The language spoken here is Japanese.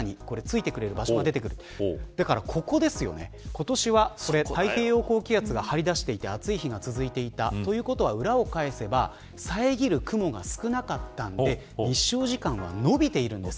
今年は太平洋高気圧が張り出して暑い日が続いていたということは、裏を返せばさえぎる雲が少なかったので日照時間は伸びているんです。